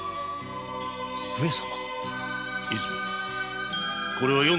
上様。